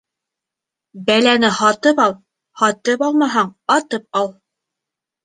Бәләне һатып ал, һатып алмаһаң, атып ал.